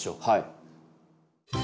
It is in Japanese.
はい。